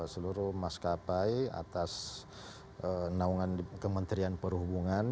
seluruh mas kapai atas naungan kementerian perhubungan